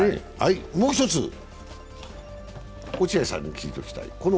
もう１つ、落合さんに聞いておきたい。